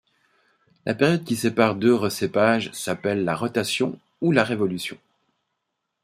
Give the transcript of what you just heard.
La période qui sépare deux recépages s'appelle la rotation ou la révolution.